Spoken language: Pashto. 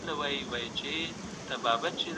د فساد په صورت کي د ژوند حق اخیستل کېږي.